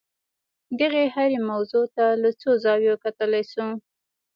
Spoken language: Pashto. دغې هرې موضوع ته له څو زاویو کتلای شو.